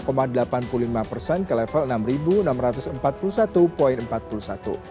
isg menutup perdagangan kemarin dengan melemah empat puluh satu empat puluh satu